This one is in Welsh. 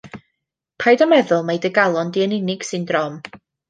Paid â meddwl mai dy galon di yn unig sy'n drom.